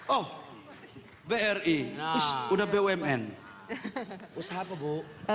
oh bri udah bumn usaha apa bu